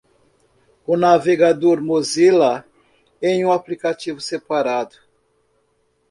O navegador Mozilla, em um aplicativo separado.